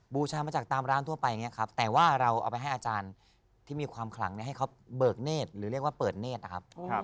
บูชามาจากตามร้านทั่วไปอย่างนี้ครับแต่ว่าเราเอาไปให้อาจารย์ที่มีความขลังให้เขาเบิกเนธหรือเรียกว่าเปิดเนธนะครับ